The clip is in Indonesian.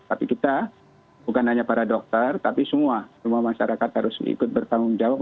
tapi kita bukan hanya para dokter tapi semua semua masyarakat harus ikut bertanggung jawab